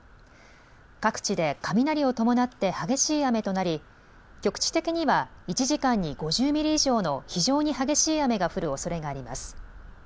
各地で雷を伴って激しい雨となり、局地的には、１時間に５０ミリ以上の非常に激しい雨が降るおそれがあります。